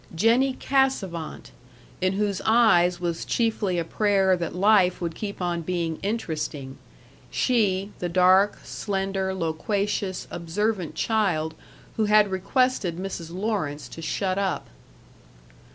Jennie Cassavant, in whose eyes was chiefly a prayer that life would keep on being interesting she, the dark, slender, loquacious, observant child who had requested Mrs. Lawrence to shut up.